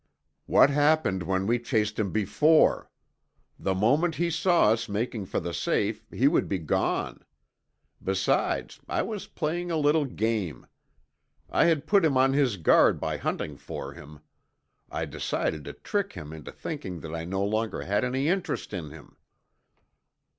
"What happened when we chased him before? The moment he saw us making for the safe he would be gone. Besides, I was playing a little game. I had put him on his guard by hunting for him. I decided to trick him into thinking that I no longer had any interest in him."